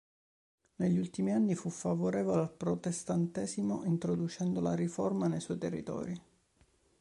Nei suoi ultimi anni fu favorevole al protestantesimo, introducendo la riforma nei suoi territori.